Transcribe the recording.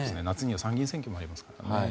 夏には参議院選挙もありますからね。